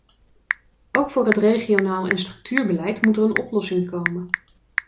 Ook voor het regionaal en structuurbeleid moet er een oplossing komen.